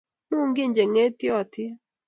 'Muung'jin che ng'etyotin.